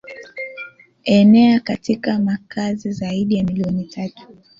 enea katika makazi zaidi ya milioni tatu